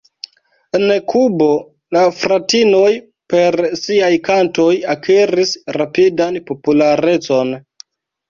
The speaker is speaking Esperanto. En Kubo la fratinoj per siaj kantoj akiris rapidan popularecon.